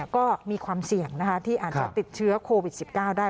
ก็มีความเสี่ยงนะคะที่อาจจะติดเชื้อโควิด๑๙ได้